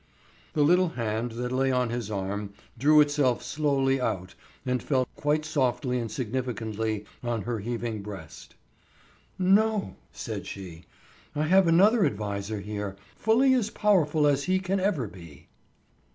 The little hand that lay on his arm drew itself slowly out and fell quite softly and significantly on her heaving breast. "No," said she. "I have another adviser here, fully as powerful as he can ever be."